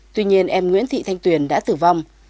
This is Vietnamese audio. tuy nhiên em nguyễn thị thanh tuyền đã tử vong